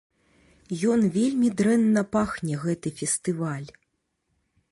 Ён вельмі дрэнна пахне гэты фестываль.